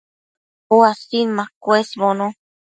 uasin machëshbono